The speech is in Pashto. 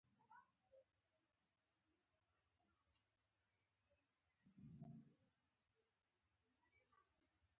خپل کمپیوټر اپډیټ ساتئ؟